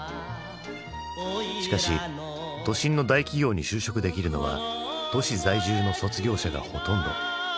しかし都心の大企業に就職できるのは都市在住の卒業者がほとんど。